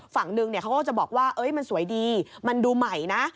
ฝั่งนึงเขาก็จะบอกว่ามันสวยดีมันดูใหม่นะ